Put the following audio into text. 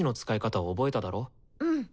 うん。